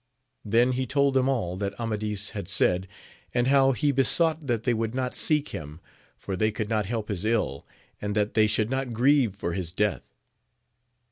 Then he told them all that Amadis had said, and how he besought that they would not seek him, for they could not help his ill, and that they should not grieve for his death.